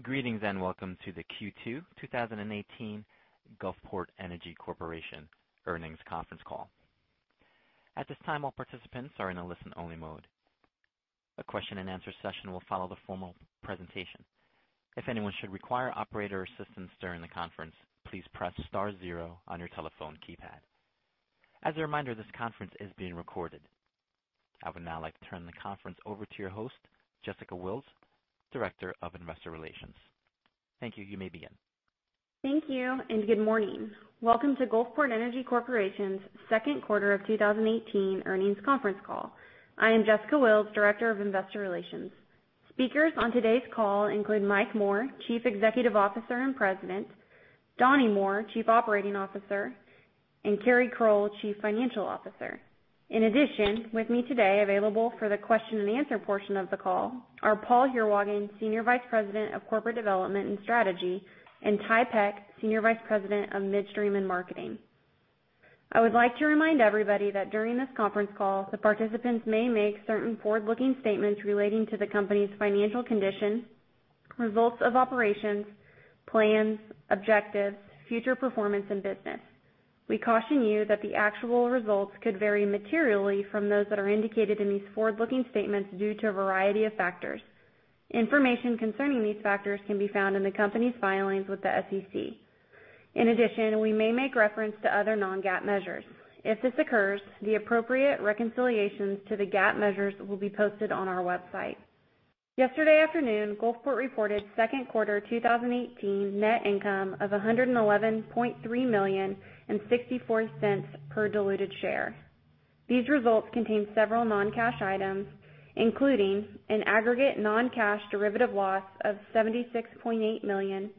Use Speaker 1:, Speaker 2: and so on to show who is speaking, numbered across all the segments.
Speaker 1: Greetings. Welcome to the Q2 2018 Gulfport Energy Corporation earnings conference call. At this time, all participants are in a listen-only mode. A question and answer session will follow the formal presentation. If anyone should require operator assistance during the conference, please press star zero on your telephone keypad. As a reminder, this conference is being recorded. I would now like to turn the conference over to your host, Jessica Wills, Director of Investor Relations. Thank you. You may begin.
Speaker 2: Thank you. Good morning. Welcome to Gulfport Energy Corporation's second quarter of 2018 earnings conference call. I am Jessica Wills, Director of Investor Relations. Speakers on today's call include Mike Moore, Chief Executive Officer and President, Donnie Moore, Chief Operating Officer, and Keri Crowell, Chief Financial Officer. With me today, available for the question and answer portion of the call, are Paul Heerwagen, Senior Vice President of Corporate Development and Strategy, and Ty Peck, Senior Vice President of Midstream and Marketing. I would like to remind everybody that during this conference call, the participants may make certain forward-looking statements relating to the company's financial condition, results of operations, plans, objectives, future performance, and business. We caution you that the actual results could vary materially from those that are indicated in these forward-looking statements due to a variety of factors. Information concerning these factors can be found in the company's filings with the SEC. We may make reference to other non-GAAP measures. If this occurs, the appropriate reconciliations to the GAAP measures will be posted on our website. Yesterday afternoon, Gulfport reported second quarter 2018 net income of $111.3 million and $0.64 per diluted share. These results contain several non-cash items, including an aggregate non-cash derivative loss of $76.8 million,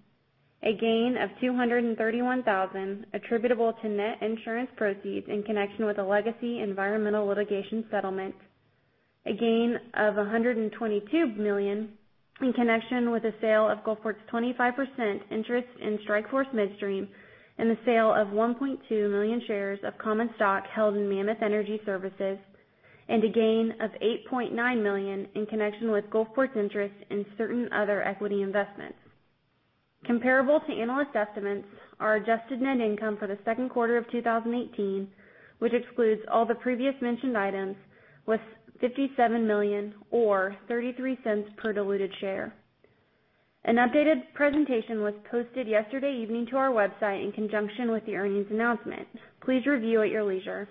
Speaker 2: a gain of $231,000 attributable to net insurance proceeds in connection with a legacy environmental litigation settlement, a gain of $122 million in connection with the sale of Gulfport's 25% interest in Strike Force Midstream, and the sale of 1.2 million shares of common stock held in Mammoth Energy Services, and a gain of $8.9 million in connection with Gulfport's interest in certain other equity investments. Comparable to analyst estimates, our adjusted net income for the second quarter of 2018, which excludes all the previous mentioned items, was $57 million or $0.33 per diluted share. An updated presentation was posted yesterday evening to our website in conjunction with the earnings announcement. Please review at your leisure.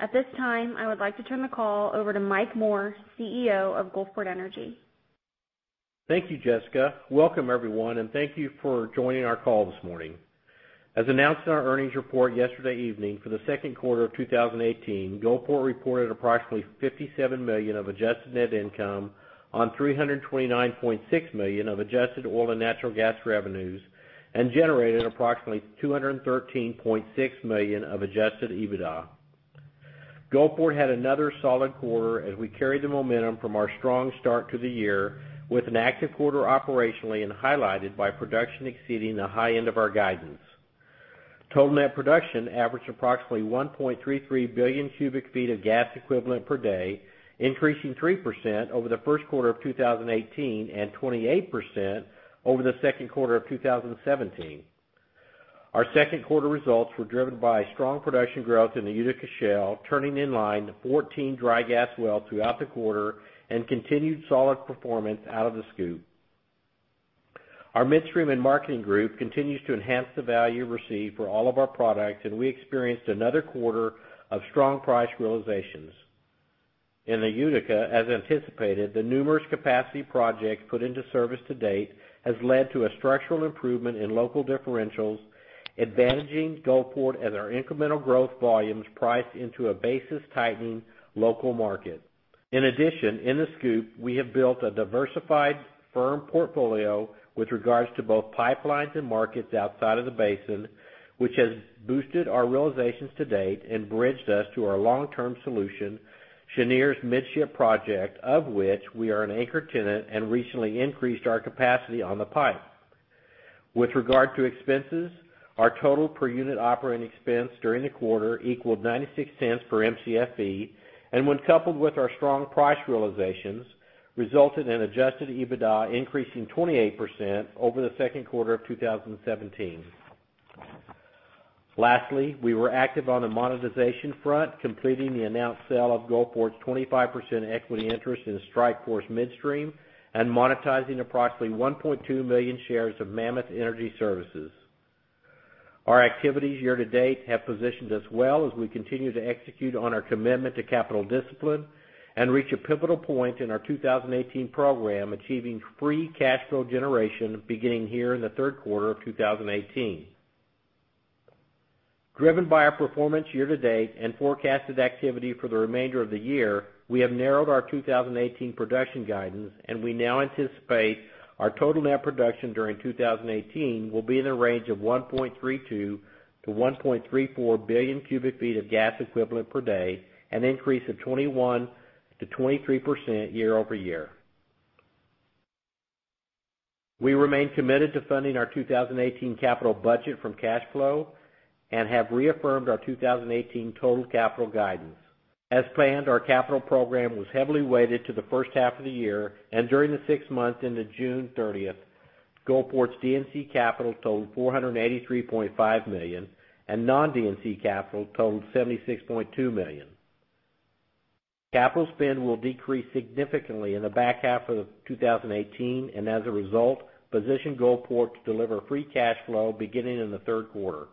Speaker 2: At this time, I would like to turn the call over to Mike Moore, CEO of Gulfport Energy.
Speaker 3: Thank you, Jessica. Welcome everyone, thank you for joining our call this morning. As announced in our earnings report yesterday evening, for the second quarter of 2018, Gulfport reported approximately $57 million of adjusted net income on $329.6 million of adjusted oil and natural gas revenues generated approximately $213.6 million of adjusted EBITDA. Gulfport had another solid quarter as we carried the momentum from our strong start to the year with an active quarter operationally and highlighted by production exceeding the high end of our guidance. Total net production averaged approximately 1.33 billion cubic feet of gas equivalent per day, increasing 3% over the first quarter of 2018 and 28% over the second quarter of 2017. Our second quarter results were driven by strong production growth in the Utica Shale, turning in line the 14 dry gas wells throughout the quarter, continued solid performance out of the SCOOP. Our midstream and marketing group continues to enhance the value received for all of our products, we experienced another quarter of strong price realizations. In the Utica, as anticipated, the numerous capacity projects put into service to date has led to a structural improvement in local differentials, advantaging Gulfport as our incremental growth volume is priced into a basis-tightening local market. In addition, in the SCOOP, we have built a diversified firm portfolio with regards to both pipelines and markets outside of the basin, which has boosted our realizations to date and bridged us to our long-term solution, Cheniere's Midship project, of which we are an anchor tenant recently increased our capacity on the pipe. With regard to expenses, our total per-unit operating expense during the quarter equaled $0.96 per Mcfe, when coupled with our strong price realizations, resulted in adjusted EBITDA increasing 28% over the second quarter of 2017. Lastly, we were active on the monetization front, completing the announced sale of Gulfport's 25% equity interest in Strike Force Midstream monetizing approximately 1.2 million shares of Mammoth Energy Services. Our activities year to date have positioned us well as we continue to execute on our commitment to capital discipline reach a pivotal point in our 2018 program, achieving free cash flow generation beginning here in the third quarter of 2018. Driven by our performance year to date forecasted activity for the remainder of the year, we have narrowed our 2018 production guidance, we now anticipate our total net production during 2018 will be in the range of 1.32-1.34 billion cubic feet of gas equivalent per day, an increase of 21%-23% year-over-year. We remain committed to funding our 2018 capital budget from cash flow have reaffirmed our 2018 total capital guidance. As planned, our capital program was heavily weighted to the first half of the year. During the six months into June 30th, Gulfport's D&C capital totaled $483.5 million non-D&C capital totaled $76.2 million. Capital spend will decrease significantly in the back half of 2018, as a result, position Gulfport to deliver free cash flow beginning in the third quarter.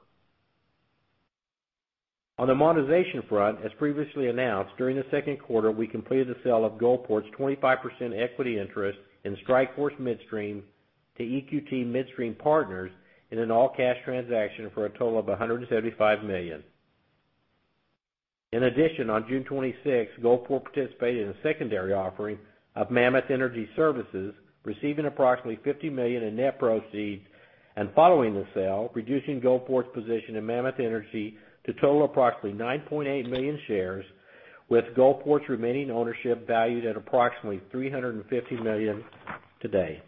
Speaker 3: On the monetization front, as previously announced, during the second quarter, we completed the sale of Gulfport's 25% equity interest in Strike Force Midstream to EQT Midstream Partners in an all-cash transaction for a total of $175 million. In addition, on June 26th, Gulfport participated in a secondary offering of Mammoth Energy Services, receiving approximately $50 million in net proceeds, and following the sale, reducing Gulfport's position in Mammoth Energy to total approximately 9.8 million shares, with Gulfport's remaining ownership valued at approximately $350 million today.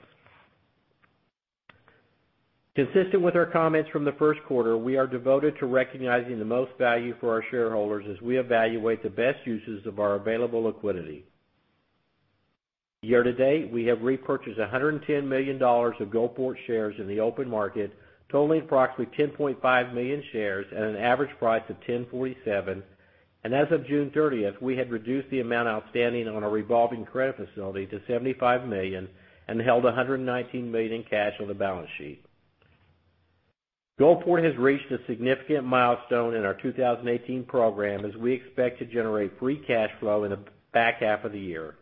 Speaker 3: Consistent with our comments from the first quarter, we are devoted to recognizing the most value for our shareholders as we evaluate the best uses of our available liquidity. Year-to-date, we have repurchased $110 million of Gulfport shares in the open market, totaling approximately 10.5 million shares at an average price of $10.47. As of June 30th, we had reduced the amount outstanding on our revolving credit facility to $75 million and held $119 million cash on the balance sheet. Gulfport has reached a significant milestone in our 2018 program, as we expect to generate free cash flow in the back half of the year.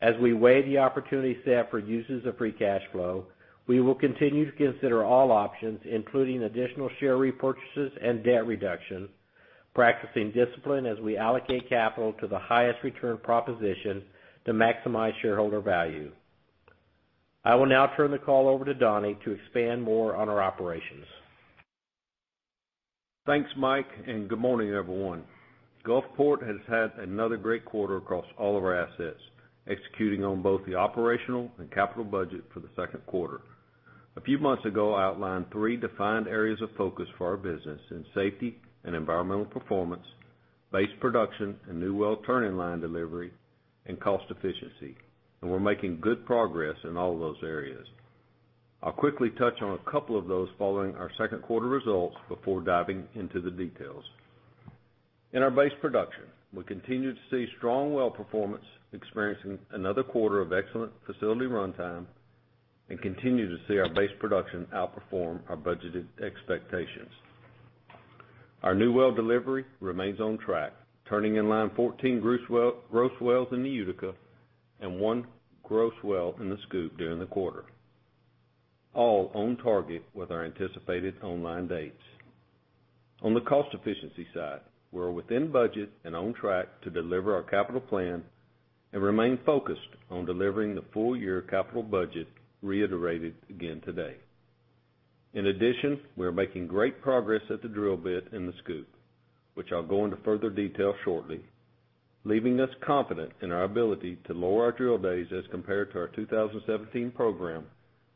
Speaker 3: As we weigh the opportunity set for uses of free cash flow, we will continue to consider all options, including additional share repurchases and debt reduction, practicing discipline as we allocate capital to the highest return proposition to maximize shareholder value. I will now turn the call over to Donnie to expand more on our operations.
Speaker 4: Thanks, Mike, and good morning, everyone. Gulfport has had another great quarter across all of our assets, executing on both the operational and capital budget for the second quarter. A few months ago, I outlined three defined areas of focus for our business in safety and environmental performance, base production and new well turn-in-line delivery, and cost efficiency, and we're making good progress in all those areas. I'll quickly touch on a couple of those following our second quarter results before diving into the details. In our base production, we continue to see strong well performance, experiencing another quarter of excellent facility runtime, and continue to see our base production outperform our budgeted expectations. Our new well delivery remains on track, turning in line 14 gross wells in the Utica and one gross well in the SCOOP during the quarter, all on target with our anticipated online dates. On the cost efficiency side, we're within budget and on track to deliver our capital plan and remain focused on delivering the full-year capital budget reiterated again today. In addition, we are making great progress at the drill bit in the SCOOP, which I'll go into further detail shortly, leaving us confident in our ability to lower our drill days as compared to our 2017 program,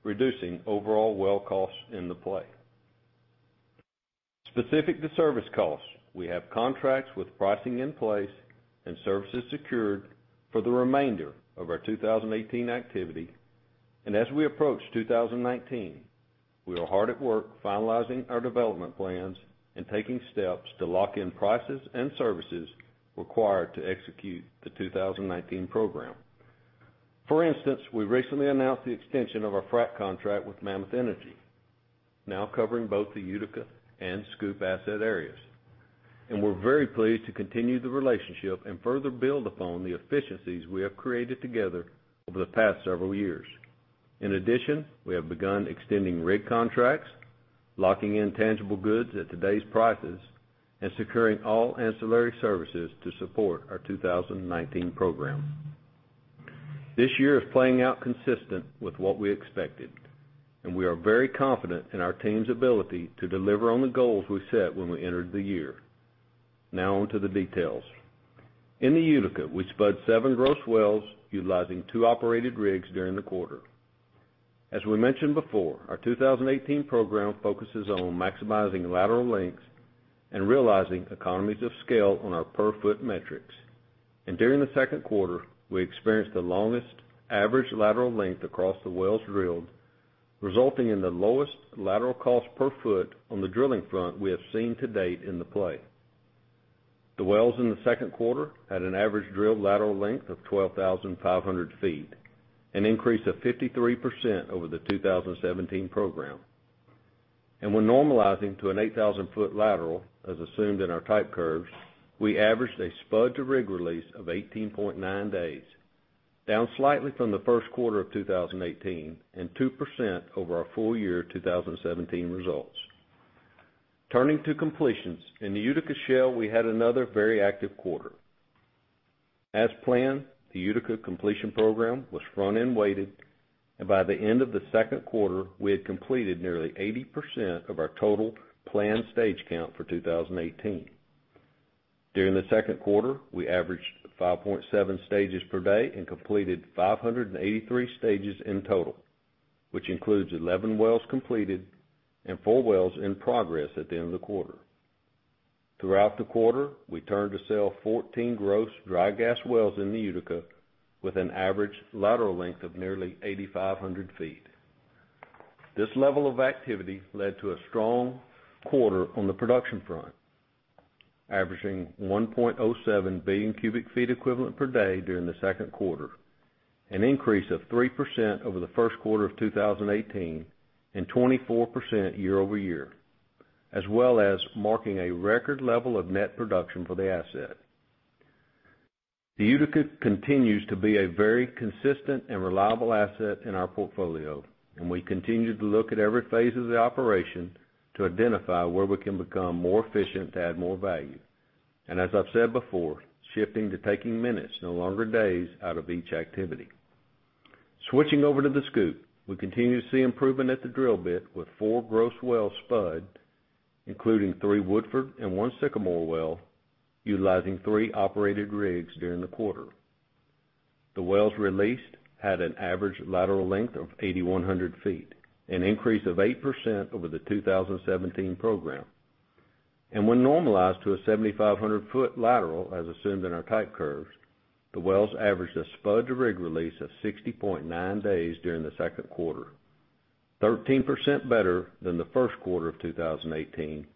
Speaker 4: reducing overall well costs in the play. Specific to service costs, we have contracts with pricing in place and services secured for the remainder of our 2018 activity. As we approach 2019, we are hard at work finalizing our development plans and taking steps to lock in prices and services required to execute the 2019 program. For instance, we recently announced the extension of our frac contract with Mammoth Energy, now covering both the Utica and SCOOP asset areas. We're very pleased to continue the relationship and further build upon the efficiencies we have created together over the past several years. In addition, we have begun extending rig contracts, locking in tangible goods at today's prices, and securing all ancillary services to support our 2019 program. This year is playing out consistent with what we expected, and we are very confident in our team's ability to deliver on the goals we set when we entered the year. Now on to the details. In the Utica, we spudded seven gross wells utilizing two operated rigs during the quarter. As we mentioned before, our 2018 program focuses on maximizing lateral lengths and realizing economies of scale on our per-foot metrics. During the second quarter, we experienced the longest average lateral length across the wells drilled, resulting in the lowest lateral cost per foot on the drilling front we have seen to date in the play. The wells in the second quarter had an average drilled lateral length of 12,500 feet, an increase of 53% over the 2017 program. When normalizing to an 8,000-foot lateral, as assumed in our type curves, we averaged a spud to rig release of 18.9 days, down slightly from the first quarter of 2018 and 2% over our full-year 2017 results. Turning to completions. In the Utica Shale, we had another very active quarter. As planned, the Utica completion program was front-end weighted, and by the end of the second quarter, we had completed nearly 80% of our total planned stage count for 2018. During the second quarter, we averaged 5.7 stages per day and completed 583 stages in total. Which includes 11 wells completed and four wells in progress at the end of the quarter. Throughout the quarter, we turned to sales 14 gross dry gas wells in the Utica, with an average lateral length of nearly 8,500 feet. This level of activity led to a strong quarter on the production front, averaging 1.07 billion cubic feet equivalent per day during the second quarter, an increase of 3% over the first quarter of 2018 and 24% year-over-year, as well as marking a record level of net production for the asset. The Utica continues to be a very consistent and reliable asset in our portfolio, and we continue to look at every phase of the operation to identify where we can become more efficient to add more value. As I've said before, shifting to taking minutes, no longer days, out of each activity. Switching over to the SCOOP, we continue to see improvement at the drill bit with four gross wells spud, including three Woodford and one Sycamore well, utilizing three operated rigs during the quarter. The wells released had an average lateral length of 8,100 feet, an increase of 8% over the 2017 program. When normalized to a 7,500-foot lateral, as assumed in our type curves, the wells averaged a spud-to-rig release of 60.9 days during the second quarter, 13% better than the first quarter of 2018,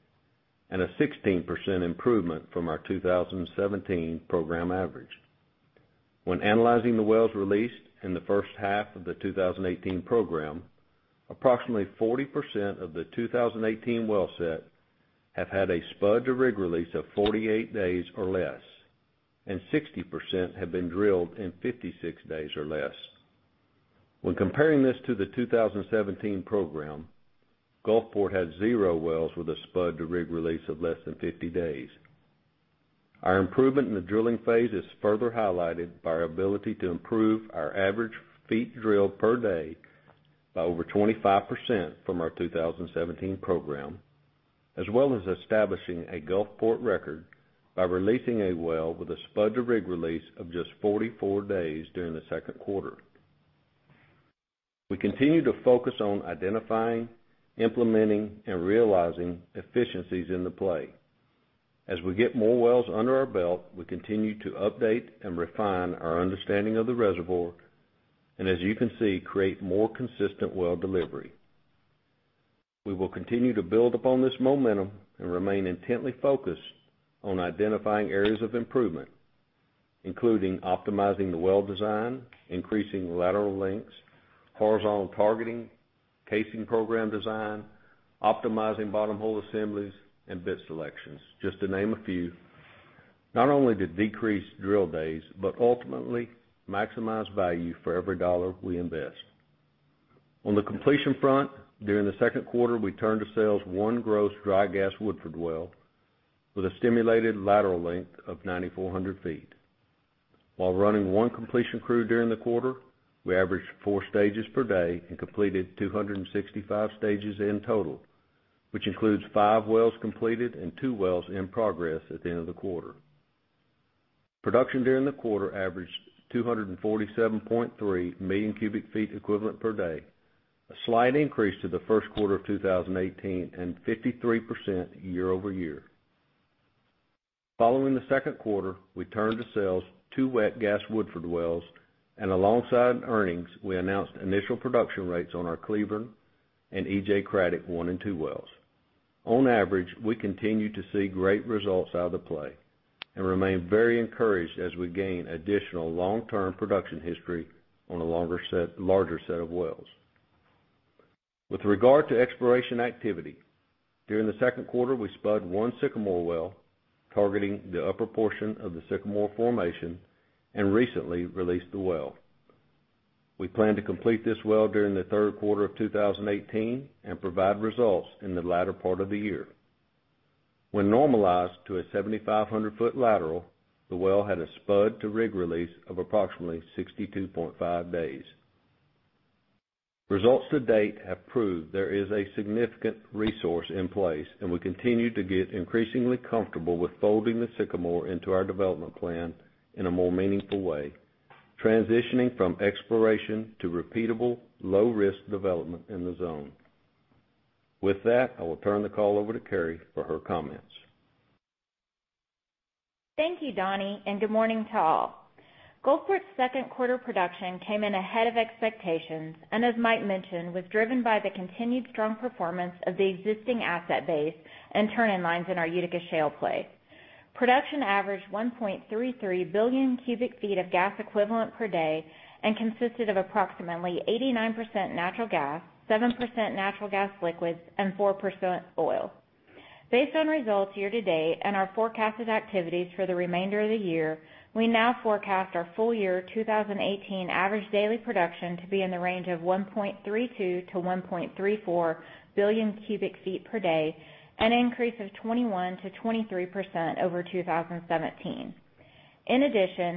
Speaker 4: and a 16% improvement from our 2017 program average. When analyzing the wells released in the first half of the 2018 program, approximately 40% of the 2018 well set have had a spud-to-rig release of 48 days or less, and 60% have been drilled in 56 days or less. When comparing this to the 2017 program, Gulfport had zero wells with a spud-to-rig release of less than 50 days. Our improvement in the drilling phase is further highlighted by our ability to improve our average feet drilled per day by over 25% from our 2017 program, as well as establishing a Gulfport record by releasing a well with a spud-to-rig release of just 44 days during the second quarter. We continue to focus on identifying, implementing, and realizing efficiencies in the play. As we get more wells under our belt, we continue to update and refine our understanding of the reservoir, and as you can see, create more consistent well delivery. We will continue to build upon this momentum and remain intently focused on identifying areas of improvement, including optimizing the well design, increasing lateral lengths, horizontal targeting, casing program design, optimizing bottom hole assemblies, and bit selections, just to name a few. Not only to decrease drill days, but ultimately maximize value for every dollar we invest. On the completion front, during the second quarter, we turned to sales one gross dry gas Woodford well with a stimulated lateral length of 9,400 feet. While running one completion crew during the quarter, we averaged four stages per day and completed 265 stages in total, which includes five wells completed and two wells in progress at the end of the quarter. Production during the quarter averaged 247.3 million cubic feet equivalent per day, a slight increase to the first quarter of 2018, and 53% year-over-year. Following the second quarter, we turned to sales two wet gas Woodford wells, and alongside earnings, we announced initial production rates on our Cleburne and EJ Craddock one and two wells. On average, we continue to see great results out of the play and remain very encouraged as we gain additional long-term production history on a larger set of wells. With regard to exploration activity, during the second quarter, we spud one Sycamore well, targeting the upper portion of the Sycamore formation, and recently released the well. We plan to complete this well during the third quarter of 2018 and provide results in the latter part of the year. When normalized to a 7,500-foot lateral, the well had a spud to rig release of approximately 62.5 days. Results to date have proved there is a significant resource in place, and we continue to get increasingly comfortable with folding the Sycamore into our development plan in a more meaningful way, transitioning from exploration to repeatable, low risk development in the zone. With that, I will turn the call over to Keri for her comments.
Speaker 5: Thank you, Donnie, and good morning to all. Gulfport's second quarter production came in ahead of expectations, and as Mike mentioned, was driven by the continued strong performance of the existing asset base and turn-in-lines in our Utica Shale play. Production averaged 1.33 billion cubic feet of gas equivalent per day and consisted of approximately 89% natural gas, 7% natural gas liquids, and 4% oil. Based on results year to date and our forecasted activities for the remainder of the year, we now forecast our full year 2018 average daily production to be in the range of 1.32 billion-1.34 billion cubic feet per day, an increase of 21%-23% over 2017.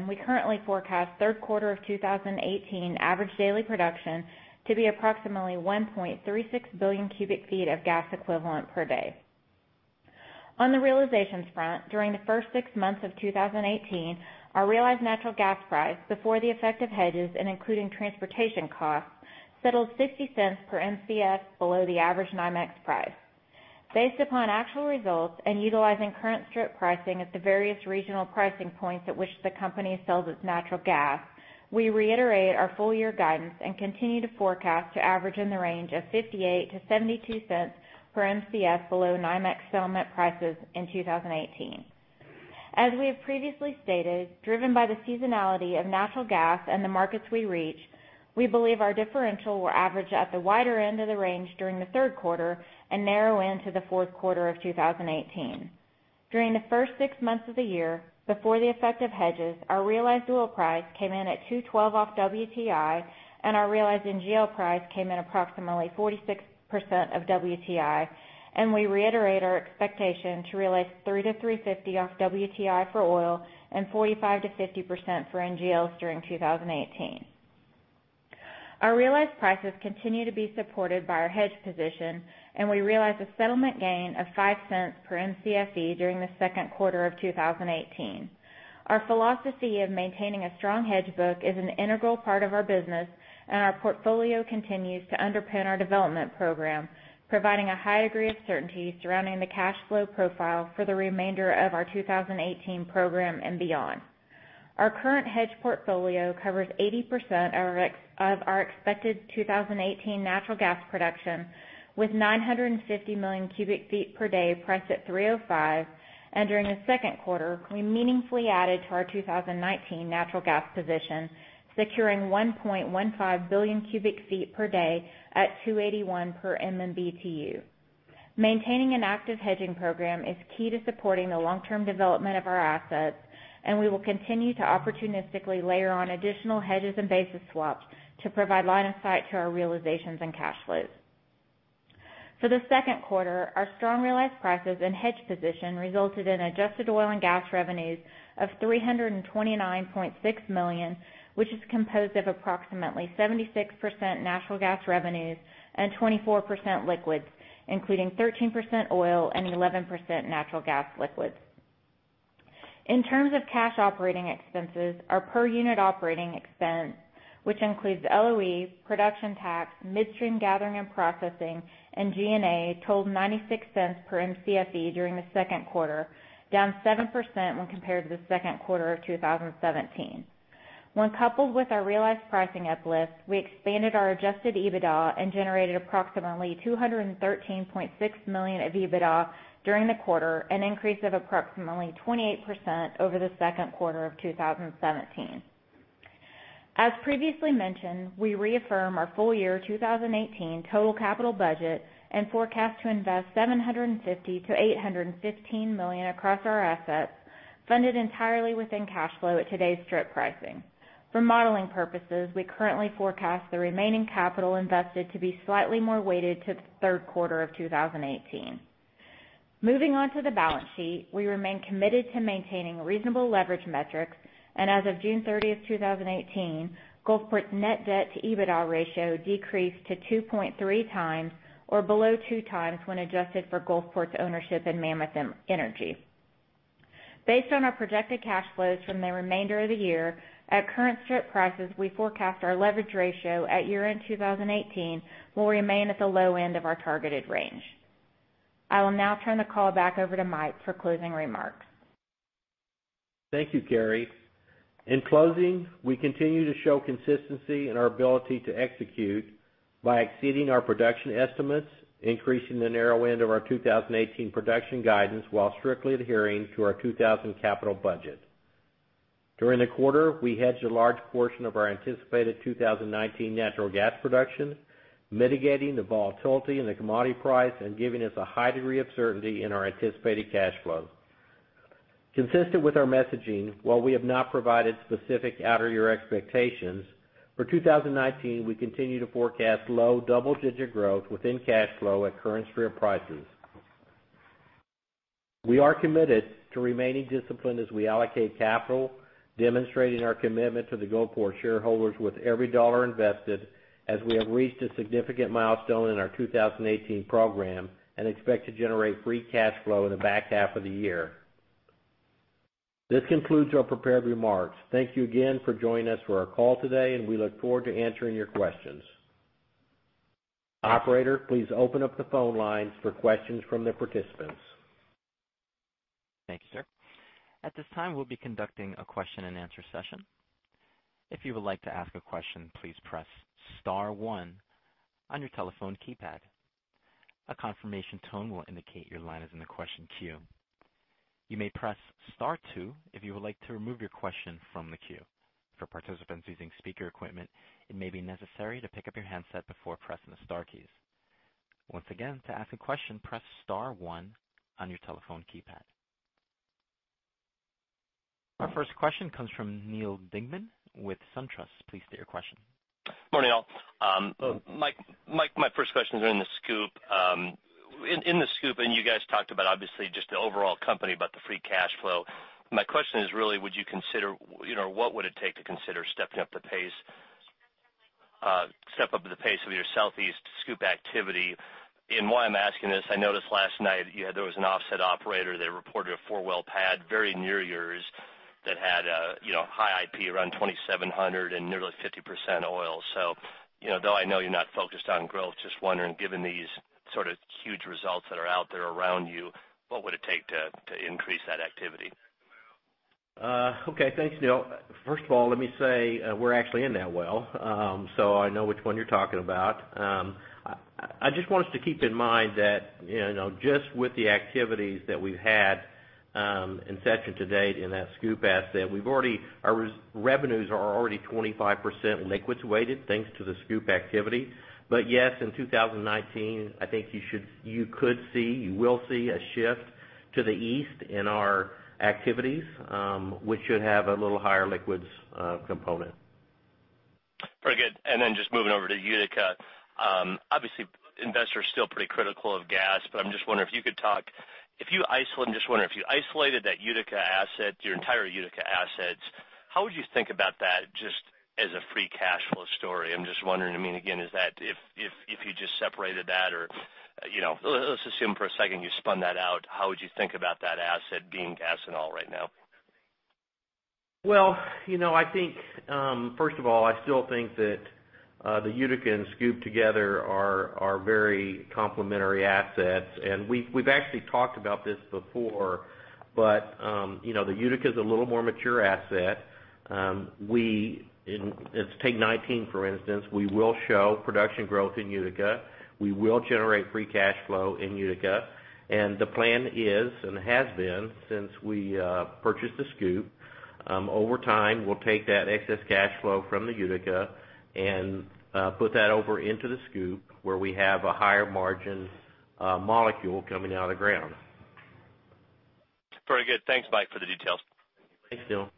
Speaker 5: We currently forecast third quarter of 2018 average daily production to be approximately 1.36 billion cubic feet of gas equivalent per day. On the realizations front, during the first six months of 2018, our realized natural gas price, before the effect of hedges and including transportation costs, settled $0.60 per Mcf below the average NYMEX price. Based upon actual results and utilizing current strip pricing at the various regional pricing points at which the company sells its natural gas, we reiterate our full-year guidance and continue to forecast to average in the range of $0.58-$0.72 per Mcf below NYMEX settlement prices in 2018. As we have previously stated, driven by the seasonality of natural gas and the markets we reach, we believe our differential will average at the wider end of the range during the third quarter and narrow into the fourth quarter of 2018. During the first six months of the year, before the effect of hedges, our realized oil price came in at $2.12 off WTI, and our realized NGL price came in approximately 46% of WTI, and we reiterate our expectation to realize $3.00-$3.50 off WTI for oil and 45%-50% for NGLs during 2018. Our realized prices continue to be supported by our hedge position, and we realized a settlement gain of $0.05 per Mcfe during the second quarter of 2018. Our philosophy of maintaining a strong hedge book is an integral part of our business, and our portfolio continues to underpin our development program, providing a high degree of certainty surrounding the cash flow profile for the remainder of our 2018 program and beyond. Our current hedge portfolio covers 80% of our expected 2018 natural gas production, with 950 million cubic feet per day priced at $3.05, and during the second quarter, we meaningfully added to our 2019 natural gas position, securing 1.15 billion cubic feet per day at $2.81 per MMBtu. Maintaining an active hedging program is key to supporting the long-term development of our assets, and we will continue to opportunistically layer on additional hedges and basis swaps to provide line of sight to our realizations and cash flows. For the second quarter, our strong realized prices and hedge position resulted in adjusted oil and gas revenues of $329.6 million, which is composed of approximately 76% natural gas revenues and 24% liquids, including 13% oil and 11% natural gas liquids. In terms of cash operating expenses, our per-unit operating expense, which includes LOE, production tax, midstream gathering and processing, and G&A, totaled $0.96 per Mcfe during the second quarter, down 7% when compared to the second quarter of 2017. When coupled with our realized pricing uplift, we expanded our adjusted EBITDA and generated approximately $213.6 million of EBITDA during the quarter, an increase of approximately 28% over the second quarter of 2017. As previously mentioned, we reaffirm our full-year 2018 total capital budget and forecast to invest $750 million-$815 million across our assets, funded entirely within cash flow at today's strip pricing. For modeling purposes, we currently forecast the remaining capital invested to be slightly more weighted to the third quarter of 2018. Moving on to the balance sheet, we remain committed to maintaining reasonable leverage metrics, and as of June 30th, 2018, Gulfport's net debt to EBITDA ratio decreased to 2.3 times or below two times when adjusted for Gulfport's ownership in Mammoth Energy. Based on our projected cash flows from the remainder of the year, at current strip prices, we forecast our leverage ratio at year-end 2018 will remain at the low end of our targeted range. I will now turn the call back over to Mike for closing remarks.
Speaker 3: Thank you, Keri. In closing, we continue to show consistency in our ability to execute by exceeding our production estimates, increasing the narrow end of our 2018 production guidance while strictly adhering to our 2000 capital budget. During the quarter, we hedged a large portion of our anticipated 2019 natural gas production, mitigating the volatility in the commodity price and giving us a high degree of certainty in our anticipated cash flow. Consistent with our messaging, while we have not provided specific out-year expectations, for 2019, we continue to forecast low double-digit growth within cash flow at current strip prices. We are committed to remaining disciplined as we allocate capital, demonstrating our commitment to the Gulfport shareholders with every dollar invested as we have reached a significant milestone in our 2018 program and expect to generate free cash flow in the back half of the year. This concludes our prepared remarks. Thank you again for joining us for our call today, and we look forward to answering your questions. Operator, please open up the phone lines for questions from the participants.
Speaker 1: Thank you, sir. At this time, we'll be conducting a question-and-answer session. If you would like to ask a question, please press *1 on your telephone keypad. A confirmation tone will indicate your line is in the question queue. You may press *2 if you would like to remove your question from the queue. For participants using speaker equipment, it may be necessary to pick up your handset before pressing the star keys. Once again, to ask a question, press *1 on your telephone keypad. Our first question comes from Neal Dingmann with SunTrust. Please state your question.
Speaker 6: Morning, all. Mike, my first question is in the SCOOP. In the SCOOP, you guys talked about obviously just the overall company, about the free cash flow. My question is really, what would it take to consider stepping up the pace of your Southeast SCOOP activity. Why I'm asking this, I noticed last night there was an offset operator that reported a 4-well pad very near yours that had a high IP around 2,700 and nearly 50% oil. Though I know you're not focused on growth, just wondering, given these sort of huge results that are out there around you, what would it take to increase that activity?
Speaker 4: Okay. Thanks, Neal. First of all, let me say we're actually in that well, so I know which one you're talking about. I just want us to keep in mind that just with the activities that we've had in session to date in that SCOOP asset, our revenues are already 25% liquids weighted, thanks to the SCOOP activity. Yes, in 2019, I think you could see, you will see a shift to the east in our activities, which should have a little higher liquids component.
Speaker 6: Very good. Just moving over to Utica. Obviously, investors are still pretty critical of gas, I'm just wondering if you isolated that Utica asset, your entire Utica assets, how would you think about that just as a free cash flow story? I'm just wondering, if you just separated that or let's assume for a second you spun that out, how would you think about that asset being gas and oil right now?
Speaker 3: Well, first of all, I still think that the Utica and SCOOP together are very complementary assets. We've actually talked about this before. The Utica is a little more mature asset. Take 2019, for instance, we will show production growth in Utica. We will generate free cash flow in Utica. The plan is and has been, since we purchased the SCOOP, over time, we'll take that excess cash flow from the Utica and put that over into the SCOOP, where we have a higher margin molecule coming out of the ground.
Speaker 6: Very good. Thanks, Mike, for the details.
Speaker 4: Thanks, Neal.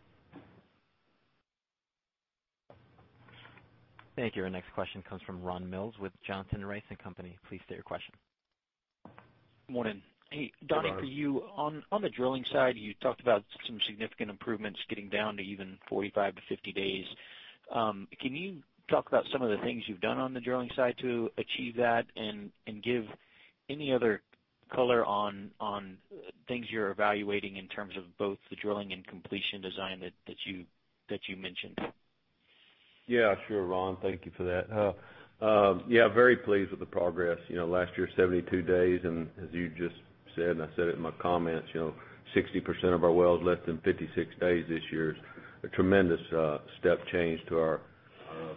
Speaker 1: Thank you. Our next question comes from Ron Mills with Johnson Rice & Company. Please state your question.
Speaker 7: Morning.
Speaker 4: Good morning.
Speaker 7: Hey, Donnie, for you, on the drilling side, you talked about some significant improvements getting down to even 45 to 50 days. Can you talk about some of the things you've done on the drilling side to achieve that? Give any other color on things you're evaluating in terms of both the drilling and completion design that you mentioned.
Speaker 4: Sure, Ron. Thank you for that. Very pleased with the progress. Last year, 72 days, and as you just said, and I said it in my comments, 60% of our wells less than 56 days this year is a tremendous step change to our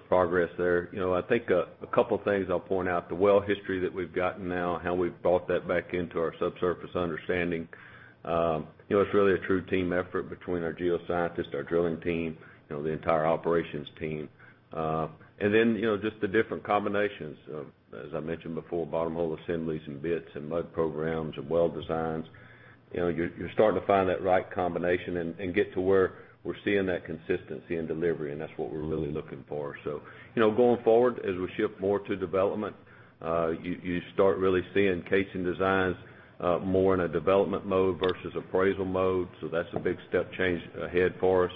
Speaker 4: progress there. I think a couple things I'll point out. The well history that we've gotten now, how we've brought that back into our subsurface understanding. It's really a true team effort between our geoscientists, our drilling team, the entire operations team. Just the different combinations of, as I mentioned before, bottom hole assemblies and bits and mud programs and well designs. You're starting to find that right combination and get to where we're seeing that consistency in delivery, and that's what we're really looking for. Going forward, as we shift more to development, you start really seeing casing designs more in a development mode versus appraisal mode. That's a big step change ahead for us.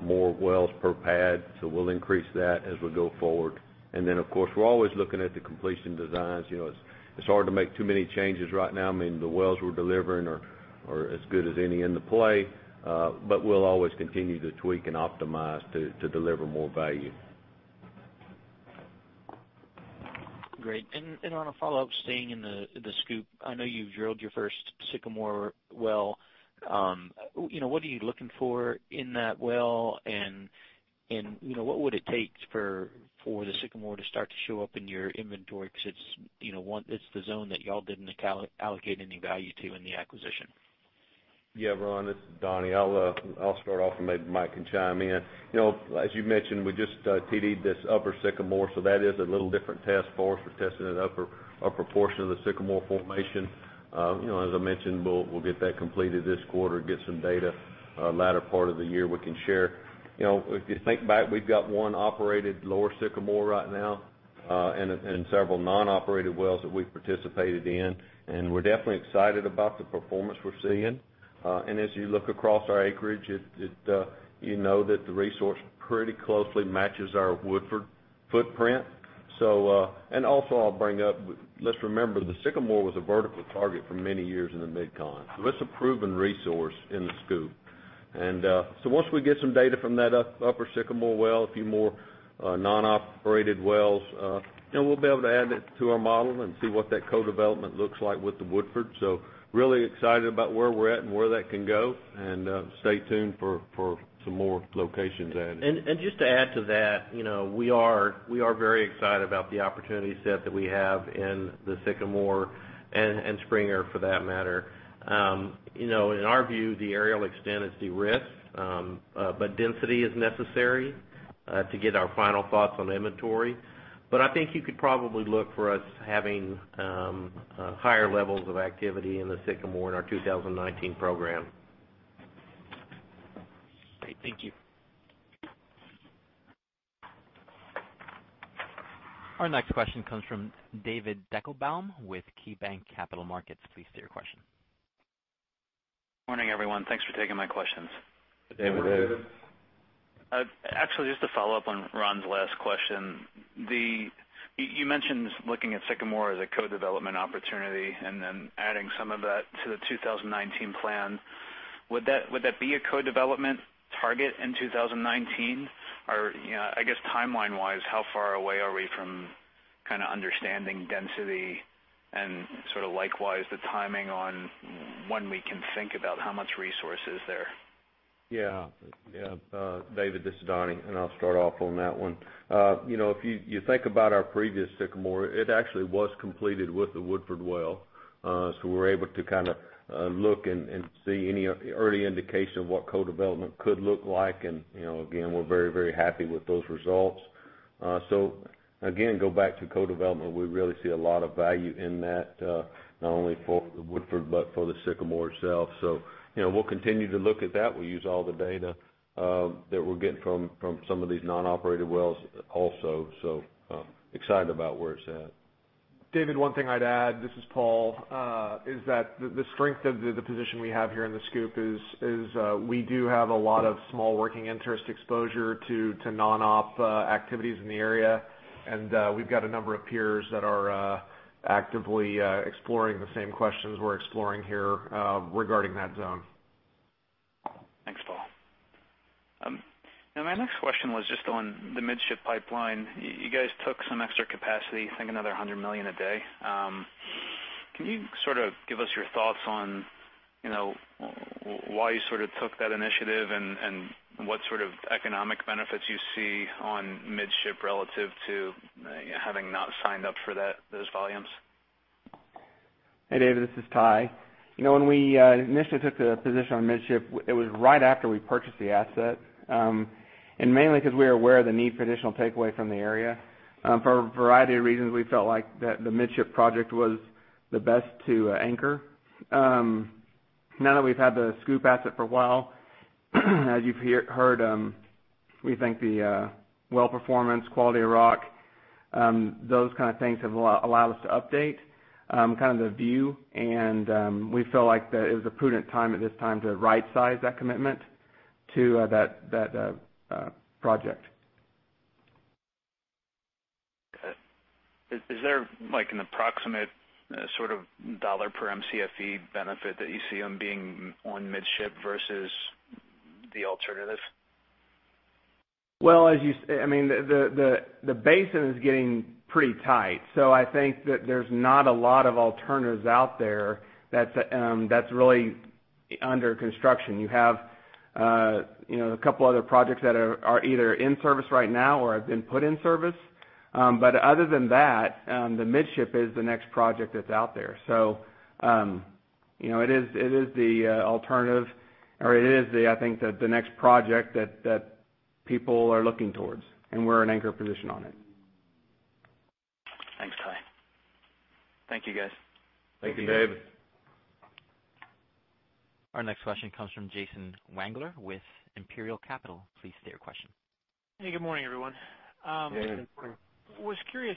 Speaker 4: More wells per pad. We'll increase that as we go forward. Of course, we're always looking at the completion designs. It's hard to make too many changes right now. I mean, the wells we're delivering are as good as any in the play. We'll always continue to tweak and optimize to deliver more value.
Speaker 7: Great. On a follow-up, staying in the SCOOP, I know you've drilled your first Sycamore well. What are you looking for in that well, and what would it take for the Sycamore to start to show up in your inventory? Because it's the zone that y'all didn't allocate any value to in the acquisition.
Speaker 4: Yeah, Ron, this is Donnie. I'll start off, maybe Mike can chime in. As you mentioned, we just TD'd this upper Sycamore, that is a little different test for us. We're testing an upper portion of the Sycamore formation. As I mentioned, we'll get that completed this quarter, get some data. Latter part of the year, we can share. If you think back, we've got one operated lower Sycamore right now, several non-operated wells that we've participated in, we're definitely excited about the performance we're seeing. As you look across our acreage, you know that the resource pretty closely matches our Woodford footprint. Also, I'll bring up, let's remember, the Sycamore was a vertical target for many years in the MidCon. That's a proven resource in the SCOOP. Once we get some data from that upper Sycamore well, a few more non-operated wells, we'll be able to add that to our model and see what that co-development looks like with the Woodford. Really excited about where we're at and where that can go, stay tuned for some more locations added.
Speaker 3: Just to add to that, we are very excited about the opportunity set that we have in the Sycamore, Springer, for that matter. In our view, the aerial extent is de-risked, density is necessary to get our final thoughts on inventory. I think you could probably look for us having higher levels of activity in the Sycamore in our 2019 program.
Speaker 7: Great. Thank you.
Speaker 1: Our next question comes from David Deckelbaum with KeyBanc Capital Markets. Please state your question.
Speaker 8: Morning, everyone. Thanks for taking my questions.
Speaker 3: Good day, David.
Speaker 8: Just to follow up on Ron's last question. You mentioned looking at Sycamore as a co-development opportunity and then adding some of that to the 2019 plan. Would that be a co-development target in 2019? Or, I guess timeline-wise, how far away are we from understanding density, and likewise, the timing on when we can think about how much resources there?
Speaker 4: David, this is Donnie, and I'll start off on that one. If you think about our previous Sycamore, it actually was completed with the Woodford well, we were able to look and see any early indication of what co-development could look like, and again, we're very happy with those results. Again, go back to co-development. We really see a lot of value in that, not only for the Woodford, but for the Sycamore itself. We'll continue to look at that. We'll use all the data that we're getting from some of these non-operated wells also. Excited about where it's at.
Speaker 9: David, one thing I'd add, this is Paul, is that the strength of the position we have here in the SCOOP is we do have a lot of small working interest exposure to non-op activities in the area, and we've got a number of peers that are actively exploring the same questions we're exploring here regarding that zone.
Speaker 8: Thanks, Paul. My next question was just on the Midship Pipeline. You guys took some extra capacity, I think another 100 million a day. Can you give us your thoughts on why you took that initiative and what sort of economic benefits you see on Midship relative to having not signed up for those volumes?
Speaker 10: Hey, David, this is Ty. When we initially took the position on Midship, it was right after we purchased the asset. Mainly because we were aware of the need for additional takeaway from the area. For a variety of reasons, we felt like the Midship project was the best to anchor. Now that we've had the SCOOP asset for a while, as you've heard, we think the well performance, quality of rock, those kind of things have allowed us to update the view, and we feel like it was a prudent time at this time to right-size that commitment to that project.
Speaker 8: Okay. Is there an approximate dollar per Mcfe benefit that you see on being on Midship versus the alternative?
Speaker 10: Well, the basin is getting pretty tight, so I think that there's not a lot of alternatives out there that's really under construction. You have a couple other projects that are either in service right now or have been put in service. Other than that, the Midship is the next project that's out there. It is the alternative, or it is, I think, the next project that people are looking towards, and we're an anchor position on it.
Speaker 8: Thanks, Ty. Thank you guys.
Speaker 3: Thank you.
Speaker 4: Thank you.
Speaker 9: Thank you.
Speaker 1: Our next question comes from Jason Wangler with Imperial Capital. Please state your question.
Speaker 11: Hey, good morning, everyone.
Speaker 3: Good morning.
Speaker 11: Was curious,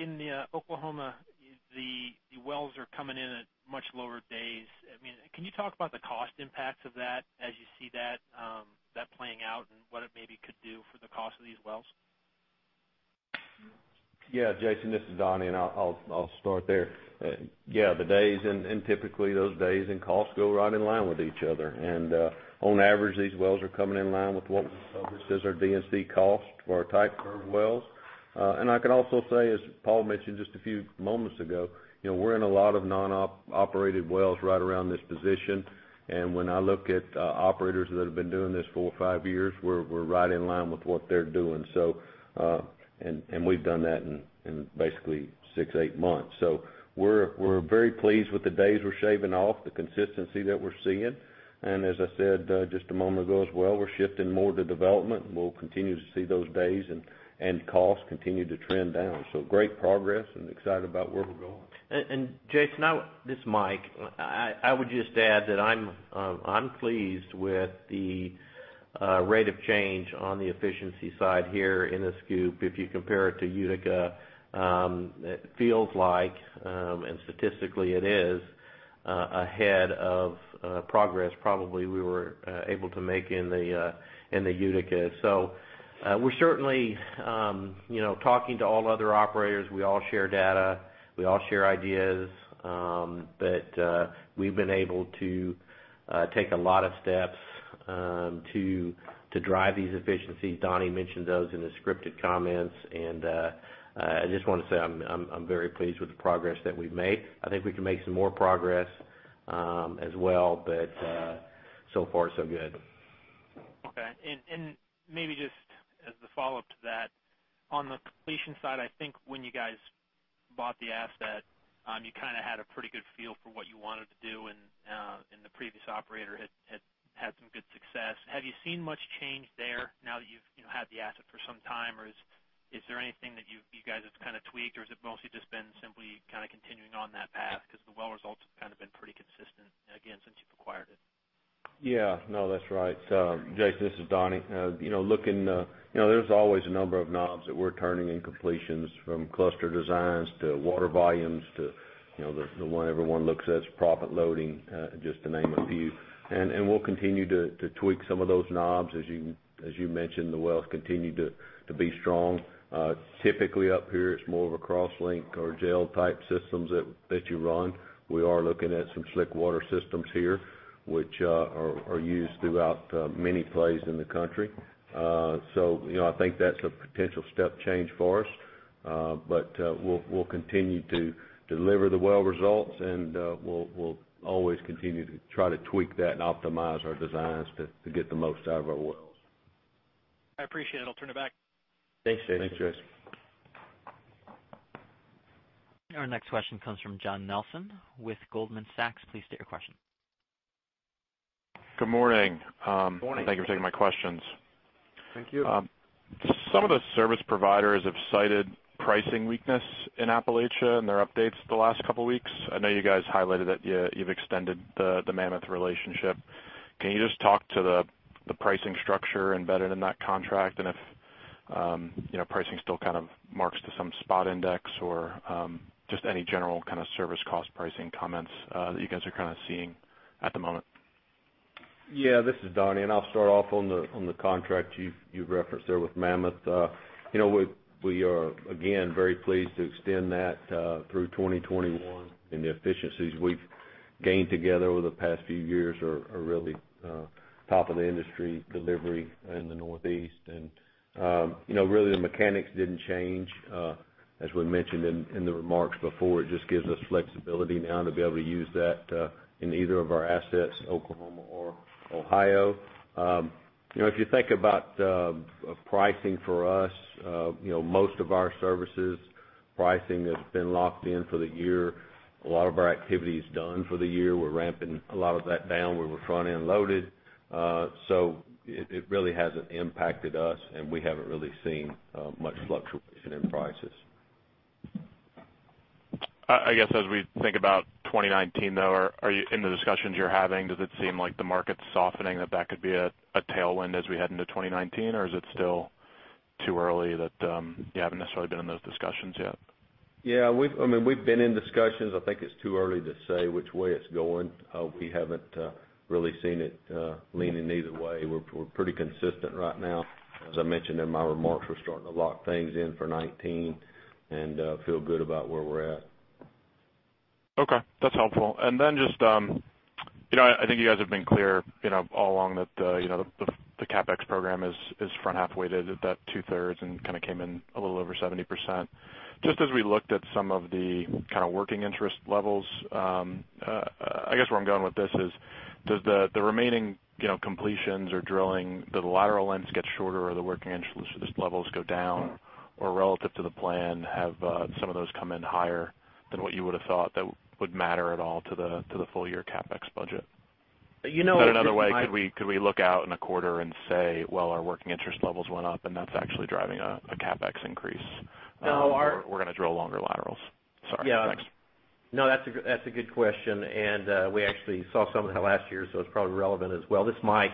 Speaker 11: in the Oklahoma, the wells are coming in at much lower days. Can you talk about the cost impacts of that as you see that playing out, and what it maybe could do for the cost of these wells?
Speaker 4: Jason, this is Donnie, and I'll start there. The days, and typically those days and costs go right in line with each other. On average, these wells are coming in line with what we published as our D&C cost for our type curve wells. I can also say, as Paul mentioned just a few moments ago, we're in a lot of non-operated wells right around this position. When I look at operators that have been doing this for five years, we're right in line with what they're doing. We've done that in basically six, eight months. We're very pleased with the days we're shaving off, the consistency that we're seeing. As I said just a moment ago as well, we're shifting more to development, and we'll continue to see those days and costs continue to trend down. Great progress, and excited about where we're going.
Speaker 3: Jason, this is Mike. I would just add that I'm pleased with the rate of change on the efficiency side here in the SCOOP. If you compare it to Utica, it feels like, and statistically it is, ahead of progress probably we were able to make in the Utica. We're certainly talking to all other operators. We all share data, we all share ideas. We've been able to take a lot of steps to drive these efficiencies. Donnie mentioned those in the scripted comments, and I just want to say I'm very pleased with the progress that we've made. I think we can make some more progress as well, but so far, so good.
Speaker 11: Okay. Maybe just as the follow-up to that, on the completion side, I think when you guys bought the asset, you had a pretty good feel for what you wanted to do, and the previous operator had some good success. Have you seen much change there now that you've had the asset for some time, or is there anything that you guys have tweaked, or is it mostly just been simply continuing on that path? Because the well results have been pretty consistent, again, since you've acquired it.
Speaker 4: Yeah. No, that's right. Jason, this is Donnie. There's always a number of knobs that we're turning in completions, from cluster designs to water volumes to the one everyone looks at is proppant loading, just to name a few. We'll continue to tweak some of those knobs. As you mentioned, the wells continue to be strong. Typically up here, it's more of a cross-link or gel type systems that you run. We are looking at some slick water systems here, which are used throughout many plays in the country. I think that's a potential step change for us. We'll continue to deliver the well results, and we'll always continue to try to tweak that and optimize our designs to get the most out of our wells.
Speaker 11: I appreciate it. I'll turn it back.
Speaker 4: Thanks, Jason.
Speaker 3: Thanks, Jason.
Speaker 1: Our next question comes from John Nelson with Goldman Sachs. Please state your question.
Speaker 12: Good morning.
Speaker 4: Morning.
Speaker 12: Thank you for taking my questions.
Speaker 4: Thank you.
Speaker 12: Some of the service providers have cited pricing weakness in Appalachia in their updates the last couple of weeks. I know you guys highlighted that you've extended the Mammoth relationship. Can you just talk to the pricing structure embedded in that contract, and if pricing still kind of marks to some spot index? Or just any general kind of service cost pricing comments that you guys are seeing at the moment?
Speaker 4: This is Donnie. I'll start off on the contract you've referenced there with Mammoth. We are, again, very pleased to extend that through 2021. The efficiencies we've gained together over the past few years are really top of the industry delivery in the Northeast. Really, the mechanics didn't change. As we mentioned in the remarks before, it just gives us flexibility now to be able to use that in either of our assets, Oklahoma or Ohio. If you think about pricing for us, most of our services pricing has been locked in for the year. A lot of our activity is done for the year. We're ramping a lot of that down, where we're front-end loaded. It really hasn't impacted us, and we haven't really seen much fluctuation in prices.
Speaker 12: I guess as we think about 2019, though, in the discussions you're having, does it seem like the market's softening, that that could be a tailwind as we head into 2019? Or is it still too early that you haven't necessarily been in those discussions yet?
Speaker 4: We've been in discussions. I think it's too early to say which way it's going. We haven't really seen it leaning either way. We're pretty consistent right now. As I mentioned in my remarks, we're starting to lock things in for 2019 and feel good about where we're at.
Speaker 12: Okay. That's helpful. Then just, I think you guys have been clear all along that the CapEx program is front-half weighted at that two-thirds and kind of came in a little over 70%. Just as we looked at some of the kind of working interest levels, I guess where I'm going with this is, does the remaining completions or drilling, do the lateral lengths get shorter, or the working interest levels go down? Relative to the plan, have some of those come in higher than what you would've thought that would matter at all to the full-year CapEx budget?
Speaker 3: You know, I think
Speaker 12: Put another way, could we look out in a quarter and say, "Well, our working interest levels went up, and that's actually driving a CapEx increase.
Speaker 3: No.
Speaker 12: We're going to drill longer laterals. Sorry. Thanks.
Speaker 3: No, that's a good question, and we actually saw some of that last year, so it's probably relevant as well. This is Mike.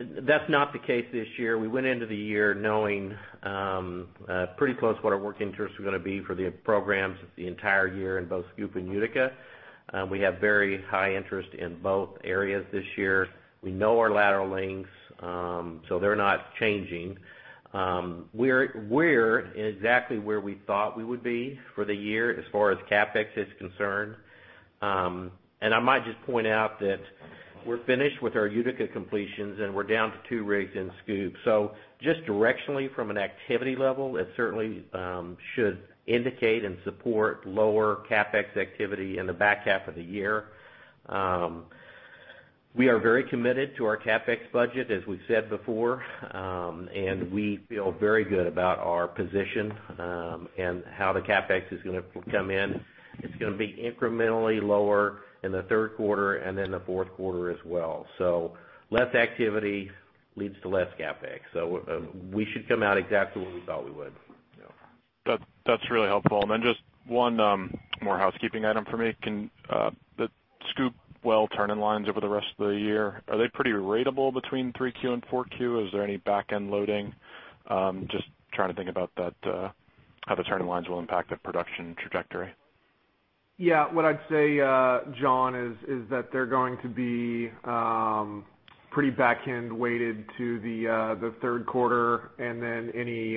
Speaker 3: That's not the case this year. We went into the year knowing pretty close what our working interests were going to be for the programs the entire year in both SCOOP and Utica. We have very high interest in both areas this year. We know our lateral lengths, so they're not changing. We're exactly where we thought we would be for the year as far as CapEx is concerned. I might just point out that we're finished with our Utica completions, and we're down to two rigs in SCOOP. Just directionally from an activity level, it certainly should indicate and support lower CapEx activity in the back half of the year. We are very committed to our CapEx budget, as we've said before, and we feel very good about our position and how the CapEx is going to come in. It's going to be incrementally lower in the third quarter, then the fourth quarter as well. Less activity leads to less CapEx. We should come out exactly where we thought we would.
Speaker 12: That's really helpful. Then just one more housekeeping item for me. Can the SCOOP well turn-in-lines over the rest of the year, are they pretty ratable between 3Q and 4Q? Is there any back-end loading? Just trying to think about how the turn-in-lines will impact the production trajectory.
Speaker 9: Yeah. What I'd say, John, is that they're going to be pretty back-end weighted to the third quarter, then any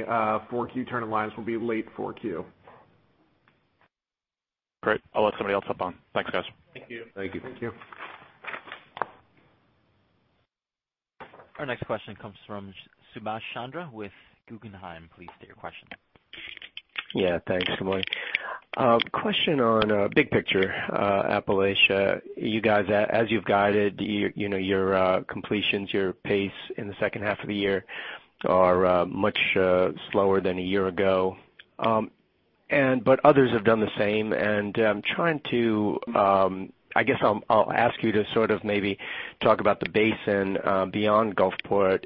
Speaker 9: 4Q turn-in-lines will be late 4Q.
Speaker 12: Great. I'll let somebody else hop on. Thanks, guys.
Speaker 9: Thank you.
Speaker 4: Thank you.
Speaker 3: Thank you.
Speaker 1: Our next question comes from Subash Chandra with Guggenheim. Please state your question.
Speaker 13: Yeah. Thanks. Good morning. Question on big picture Appalachia. You guys, as you've guided your completions, your pace in the second half of the year are much slower than a year ago. Others have done the same, and I'm trying to I guess I'll ask you to sort of maybe talk about the basin beyond Gulfport,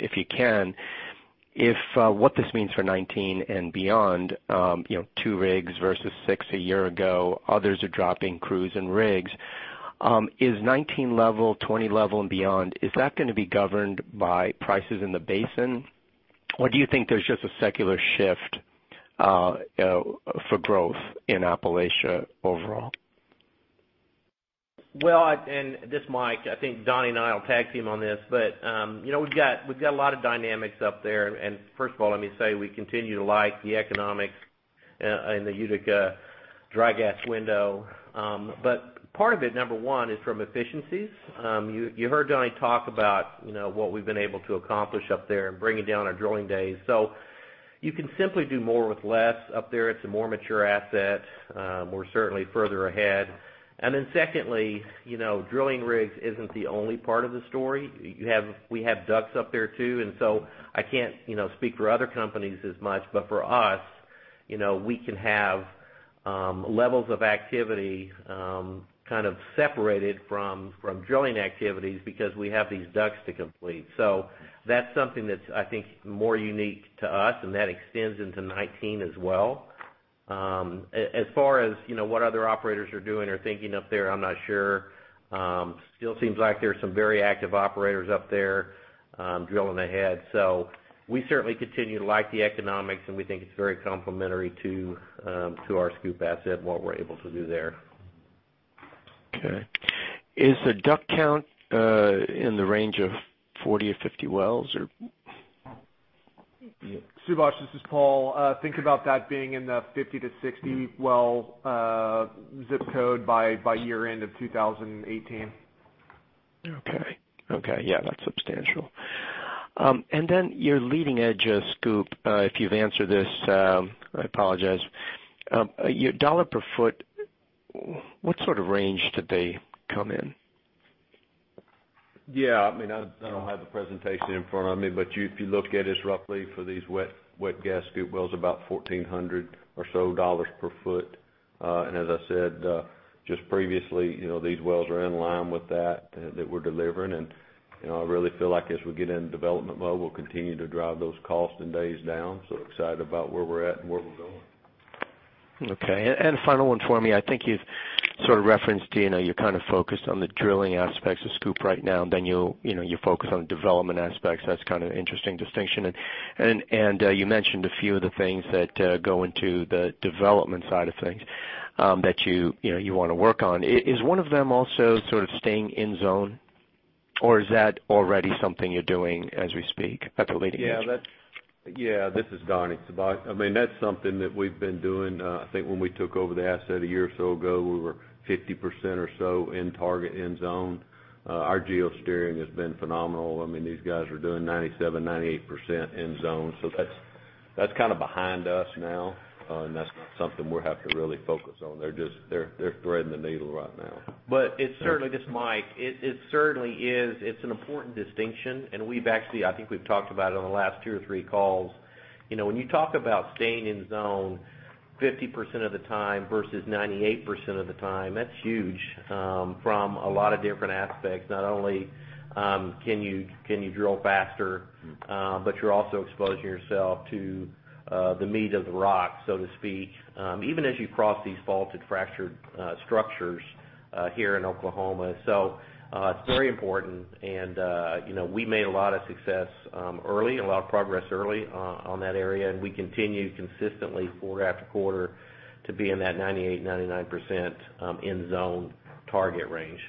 Speaker 13: if you can. If what this means for 2019 and beyond, two rigs versus six a year ago, others are dropping crews and rigs. Is 2019 level, 2020 level and beyond, is that going to be governed by prices in the basin? Do you think there's just a secular shift for growth in Appalachia overall?
Speaker 3: This is Mike. I think Donnie and I will tag team on this, we've got a lot of dynamics up there. First of all, let me say, we continue to like the economics in the Utica dry gas window. Part of it, number 1, is from efficiencies. You heard Donnie talk about what we've been able to accomplish up there in bringing down our drilling days. You can simply do more with less up there. It's a more mature asset. We're certainly further ahead. Secondly, drilling rigs isn't the only part of the story. We have DUCs up there too, I can't speak for other companies as much, but for us, we can have levels of activity kind of separated from drilling activities because we have these DUCs to complete. That's something that's, I think, more unique to us, and that extends into 2019 as well. As far as what other operators are doing or thinking up there, I'm not sure. Still seems like there's some very active operators up there drilling ahead. We certainly continue to like the economics, and we think it's very complementary to our SCOOP asset and what we're able to do there.
Speaker 13: Okay. Is the DUC count in the range of 40 or 50 wells, or?
Speaker 9: Subash, this is Paul. Think about that being in the 50 to 60 well ZIP code by year-end of 2018.
Speaker 13: Okay. Yeah, that's substantial. Your leading edge of SCOOP, if you've answered this, I apologize. Your $ per foot, what sort of range did they come in?
Speaker 4: I don't have the presentation in front of me, if you look at it roughly for these wet gas SCOOP wells, about $1,400 or so per foot. As I said just previously, these wells are in line with that we're delivering, I really feel like as we get into development mode, we'll continue to drive those costs and days down. Excited about where we're at and where we're going.
Speaker 13: Okay, a final one for me. I think you've sort of referenced, you're focused on the drilling aspects of SCOOP right now, then you focus on development aspects. That's kind of an interesting distinction. You mentioned a few of the things that go into the development side of things that you want to work on. Is one of them also sort of staying in zone, or is that already something you're doing as we speak at the leading edge?
Speaker 4: Yeah. This is Donnie, Subash. That's something that we've been doing. I think when we took over the asset a year or so ago, we were 50% or so in target, in zone. Our geosteering has been phenomenal. These guys are doing 97%, 98% in zone, so that's kind of behind us now, and that's not something we have to really focus on. They're threading the needle right now.
Speaker 3: This is Mike. It certainly is. It's an important distinction. I think we've talked about it on the last two or three calls. When you talk about staying in zone 50% of the time versus 98% of the time, that's huge from a lot of different aspects. Not only can you drill faster, but you're also exposing yourself to the meat of the rock, so to speak, even as you cross these faulted, fractured structures here in Oklahoma. It's very important, and we made a lot of success early, and a lot of progress early on that area, and we continue consistently quarter after quarter to be in that 98%, 99% in-zone target range.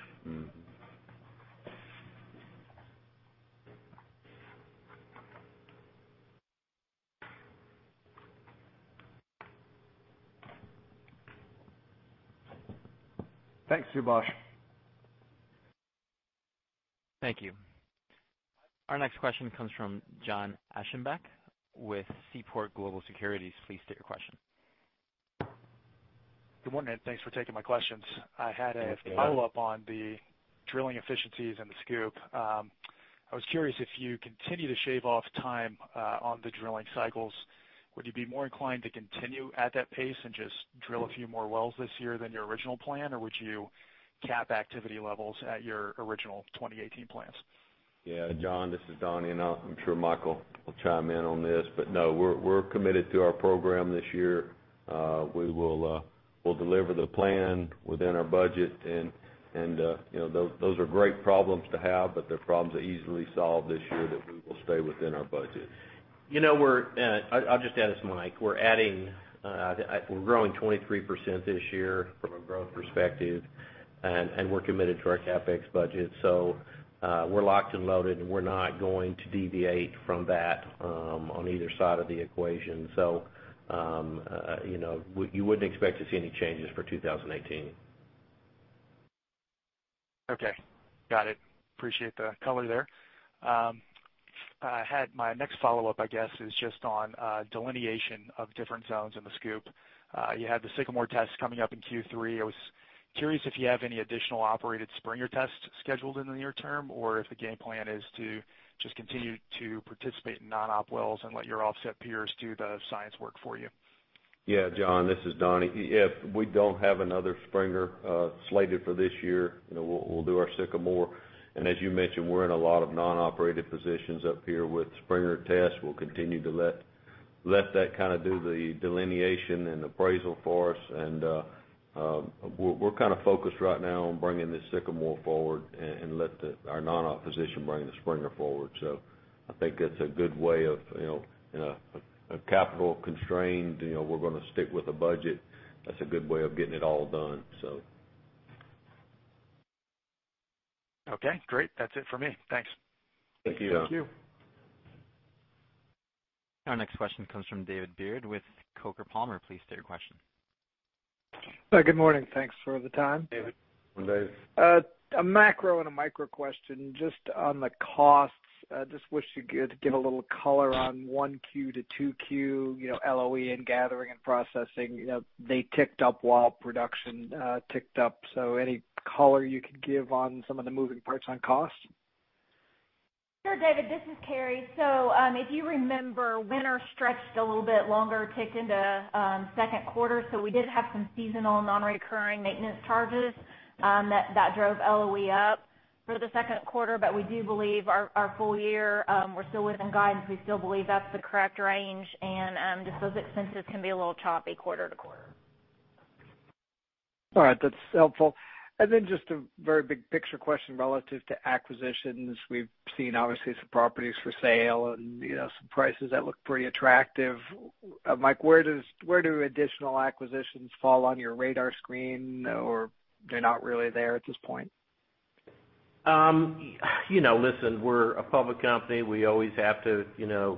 Speaker 3: Thanks, Subash.
Speaker 1: Thank you. Our next question comes from John Aschenbeck with Seaport Global Securities. Please state your question.
Speaker 14: Good morning. Thanks for taking my questions.
Speaker 4: Thanks, John.
Speaker 14: I had a follow-up on the drilling efficiencies and the SCOOP. I was curious, if you continue to shave off time on the drilling cycles, would you be more inclined to continue at that pace and just drill a few more wells this year than your original plan, or would you cap activity levels at your original 2018 plans?
Speaker 4: Yeah, John, this is Donnie, and I'm sure Mike will chime in on this. No, we're committed to our program this year. We'll deliver the plan within our budget, and those are great problems to have, but they're problems that are easily solved this year, that we will stay within our budget.
Speaker 3: I'll just add as Mike. We're growing 23% this year from a growth perspective. We're committed to our CapEx budget. We're locked and loaded, and we're not going to deviate from that on either side of the equation. You wouldn't expect to see any changes for 2018.
Speaker 14: Okay. Got it. Appreciate the color there. My next follow-up, I guess, is just on delineation of different zones in the SCOOP. You had the Sycamore test coming up in Q3. I was curious if you have any additional operated Springer tests scheduled in the near term, or if the game plan is to just continue to participate in non-op wells and let your offset peers do the science work for you?
Speaker 4: Yeah, John, this is Donnie. Yeah, we don't have another Springer slated for this year. We'll do our Sycamore, and as you mentioned, we're in a lot of non-operated positions up here with Springer tests. We'll continue to let that do the delineation and appraisal for us. We're focused right now on bringing the Sycamore forward and let our non-op position bring the Springer forward. I think that's a good way of, in a capital-constrained, we're going to stick with a budget. That's a good way of getting it all done.
Speaker 14: Okay, great. That's it for me. Thanks.
Speaker 4: Thank you.
Speaker 9: Thank you.
Speaker 1: Our next question comes from David Beard with Coker & Palmer. Please state your question.
Speaker 15: Good morning. Thanks for the time.
Speaker 4: David.
Speaker 9: Good morning, David.
Speaker 15: A macro and a micro question, just on the costs. I just wish you'd give a little color on 1Q to 2Q, LOE and gathering and processing. They ticked up while production ticked up. Any color you could give on some of the moving parts on cost?
Speaker 5: Sure, David, this is Keri. If you remember, winter stretched a little bit longer, ticked into second quarter. We did have some seasonal non-recurring maintenance charges that drove LOE up for the second quarter. We do believe our full year, we're still within guidance. We still believe that's the correct range, and just those expenses can be a little choppy quarter to quarter.
Speaker 15: All right, that's helpful. Just a very big picture question relative to acquisitions. We've seen, obviously, some properties for sale and some prices that look pretty attractive. Mike, where do additional acquisitions fall on your radar screen, or they're not really there at this point?
Speaker 3: Listen, we're a public company. We always have to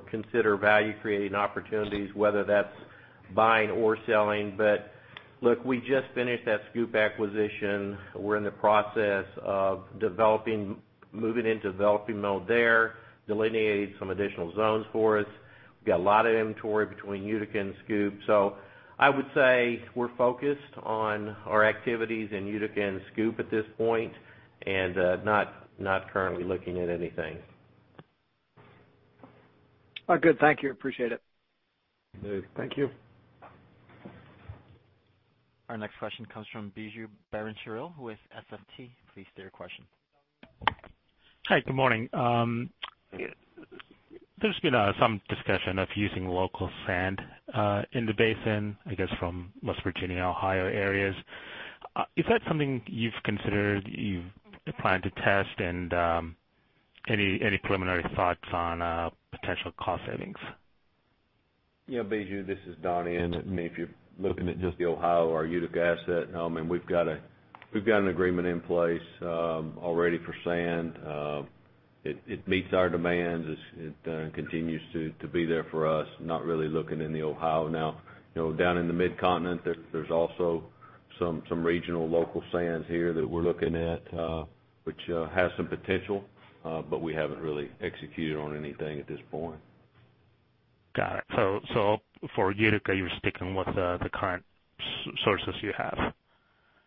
Speaker 3: consider value-creating opportunities, whether that's buying or selling. Look, we just finished that SCOOP acquisition. We're in the process of moving into developing mode there, delineating some additional zones for us. We got a lot of inventory between Utica and SCOOP. I would say we're focused on our activities in Utica and SCOOP at this point, and not currently looking at anything.
Speaker 15: Good. Thank you. Appreciate it.
Speaker 9: Thank you.
Speaker 1: Our next question comes from Biju Perincheril with SFG. Please state your question.
Speaker 16: Hi, good morning. There's been some discussion of using local sand in the basin, I guess, from West Virginia and Ohio areas. Is that something you've considered, you plan to test, and any preliminary thoughts on potential cost savings?
Speaker 4: Biju, this is Donnie. If you're looking at just the Ohio or Utica asset, we've got an agreement in place already for sand. It meets our demands. It continues to be there for us. Not really looking in the Ohio now. Down in the Mid-Continent, there's also some regional local sands here that we're looking at, which have some potential, we haven't really executed on anything at this point.
Speaker 16: Got it. For Utica, you're sticking with the current sources you have?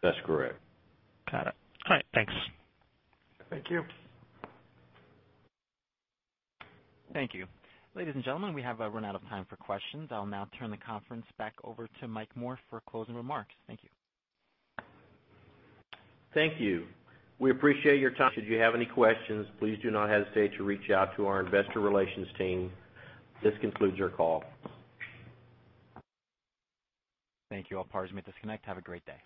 Speaker 4: That's correct.
Speaker 16: Got it. All right. Thanks.
Speaker 9: Thank you.
Speaker 1: Thank you. Ladies and gentlemen, we have run out of time for questions. I'll now turn the conference back over to Mike Moore for closing remarks. Thank you.
Speaker 3: Thank you. We appreciate your time. Should you have any questions, please do not hesitate to reach out to our investor relations team. This concludes our call.
Speaker 1: Thank you. All parties may disconnect. Have a great day.